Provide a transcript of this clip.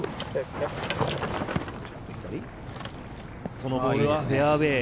そのボールはフェアウエー。